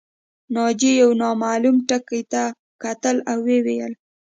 ناجیې یو نامعلوم ټکي ته کتل او ویې ویل